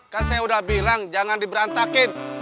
kan saya udah bilang jangan di berantakin